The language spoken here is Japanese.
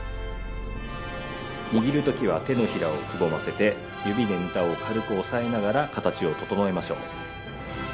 握る時は手のひらをくぼませて指でネタを軽く押さえながら形を整えましょう。